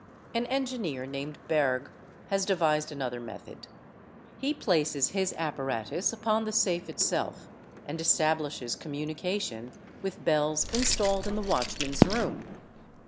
An engineer i named Berg has devised another method; he places his apparatus upon the safe itself and establishes communication with bells installed in the | watchman's room.